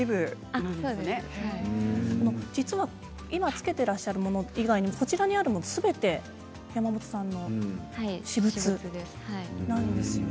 実は今着けてらっしゃるもの以外にもここにあるのすべてやまもとさんの私物ですね。